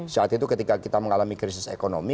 saat itu ketika kita mengalami krisis ekonomi